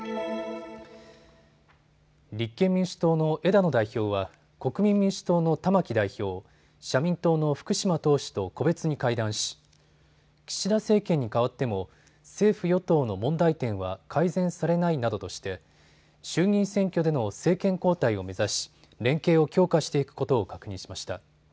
立憲民主党の枝野代表は国民民主党の玉木代表、社民党の福島党首と個別に会談し岸田政権にかわっても政府与党の問題点は改善されないなどとして衆議院選挙での政権交代を目指し連携を強化していくことを確認しました。